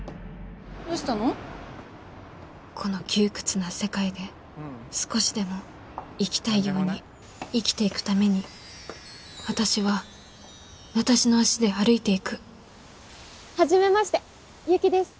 この窮屈な世界で少しでも生きたいように生きていくためにはじめまして雪です。